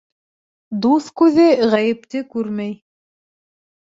Дуҫ күҙе ғәйепте күрмәй.